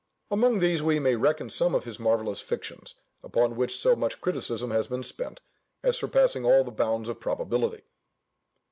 Among these we may reckon some of his marvellous fictions, upon which so much criticism has been spent, as surpassing all the bounds of probability.